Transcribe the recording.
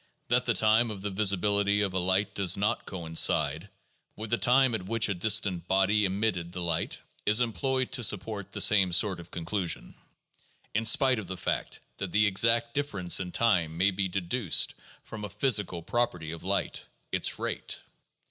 That the time of the visibility of a light does not coincide with the time at which a distant body emitted the light is employed to support the same sort of conclusion, in spite of the fact that the exact difference in time may be deduced from a physical property of light — its rate.